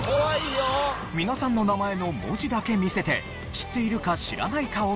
皆さんの名前の文字だけ見せて知っているか知らないかを聞くというもの。